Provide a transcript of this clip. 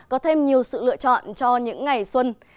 có thêm nhiều sự lựa chọn cho những ngày xuân